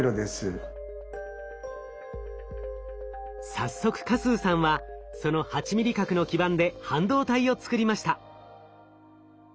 早速嘉数さんはその８ミリ角の基板で半導体をつくりました。